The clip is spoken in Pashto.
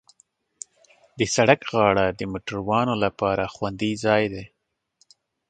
د سړک غاړه د موټروانو لپاره خوندي ځای دی.